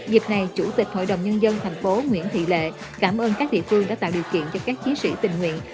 dịp này chủ tịch hội đồng nhân dân thành phố nguyễn thị lệ cảm ơn các địa phương đã tạo điều kiện cho các chiến sĩ tình nguyện